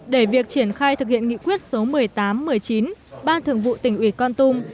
để việc triển khai thực hiện nghị quyết số một mươi tám một mươi chín ban thường vụ tỉnh ủy con tum